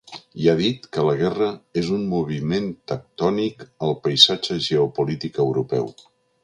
I ha dit que la guerra és un moviment tectònic al paisatge geopolític europeu.